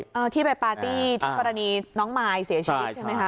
เออที่ไปปาร์ตี้ที่กรณีน้องมายเสียชีวิตใช่ไหมคะ